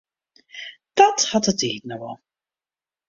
Dat hat de tiid noch wol.